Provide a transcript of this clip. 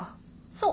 そう。